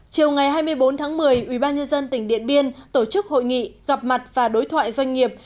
chiều ngày hai mươi bốn tháng một mươi ubnd tỉnh điện biên tổ chức hội nghị gặp mặt và đối thoại doanh nghiệp